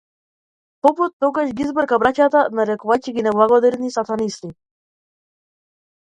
Попот тогаш ги избрка браќата нарекувајќи ги неблагодарни сатанисти.